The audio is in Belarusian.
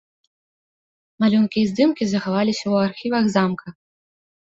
Малюнкі і здымкі захаваліся ў архівах замка.